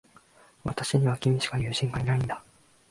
私には、君しか友人がいないんだ。